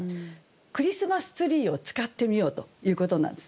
「クリスマスツリー」を使ってみようということなんです。